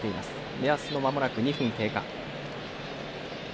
目安の、まもなく２分経過。